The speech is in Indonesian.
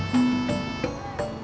tidak ada yang bisa diberikan